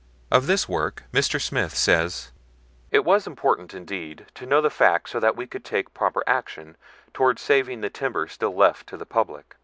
Of this work, Mr. Smith says: "It was important, indeed, to know the facts so that we could take proper action toward saving the timber still left to the public.